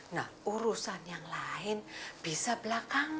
nah urusan yang lain bisa belakangan